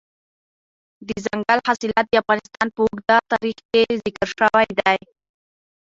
دځنګل حاصلات د افغانستان په اوږده تاریخ کې ذکر شوی دی.